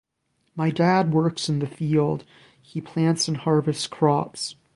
My dad works in the field, he plants and harvests crops.